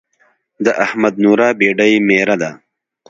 د احمد نوره بېډۍ ميره ده.